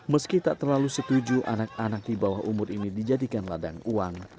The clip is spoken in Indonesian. meski tak terlalu setuju anak anak di bawah umur ini dijadikan ladang uang